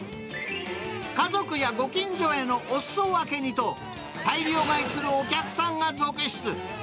家族やご近所へのおすそ分けにと、大量買いするお客さんが続出。